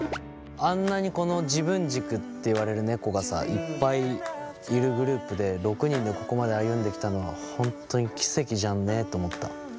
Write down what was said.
あんなに自分軸っていわれる猫がさいっぱいいるグループで６人でここまで歩んできたのはほんとに奇跡じゃんねと思った。